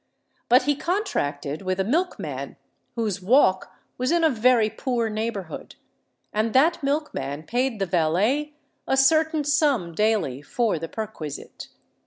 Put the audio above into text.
But he contracted with a milk man whose "walk" was in a very poor neighbourhood; and that milk man paid the valet a certain sum daily for the perquisite.